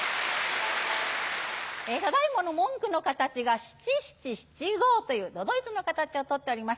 ただ今の文句の形が七・七・七・五という都々逸の形を取っております。